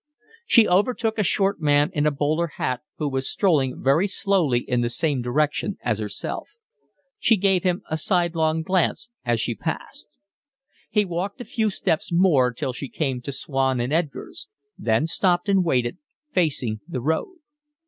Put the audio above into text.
She overtook a short man in a bowler hat, who was strolling very slowly in the same direction as herself; she gave him a sidelong glance as she passed. She walked a few steps more till she came to Swan and Edgar's, then stopped and waited, facing the road.